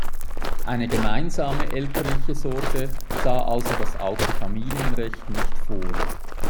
Eine gemeinsame elterliche Sorge sah also das alte Familienrecht nicht vor.